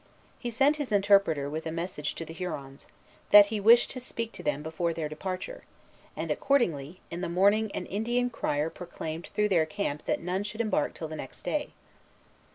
He sent his interpreter with a message to the Hurons, that he wished to speak to them before their departure; and, accordingly, in the morning an Indian crier proclaimed through their camp that none should embark till the next day.